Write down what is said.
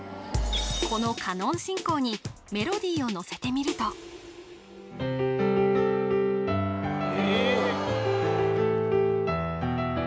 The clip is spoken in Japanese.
このカノン進行にメロディを乗せてみると・ええ・